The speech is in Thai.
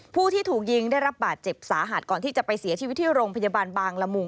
ผู้ที่ถูกยิงได้รับบาดเจ็บสาหัสก่อนที่จะไปเสียชีวิตที่โรงพยาบาลบางละมุง